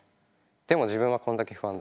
でも自分はこんだけ不安だ。